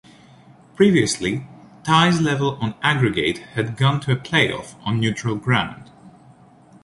Previously, ties level on aggregate had gone to a playoff on neutral ground.